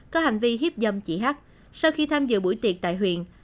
có hành vi hiếp dâm chị h sau khi tham dự buổi tiệc tại huyện